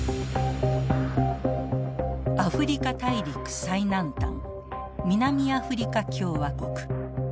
アフリカ大陸最南端南アフリカ共和国。